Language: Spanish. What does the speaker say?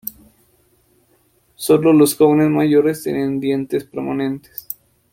Solo los jóvenes mayores tenían dientes permanentes.